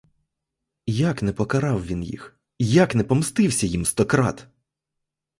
Як не покарав він їх, як не помстився їм стократ?!